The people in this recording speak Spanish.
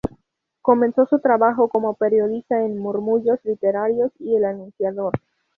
Comenzó su trabajo como periodista en "Murmullos Literarios" y "El Anunciador".